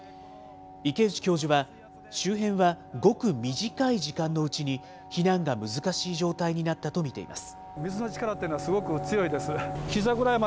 池内教授は、周辺はごく短い時間のうちに避難が難しい状態になったと見ています。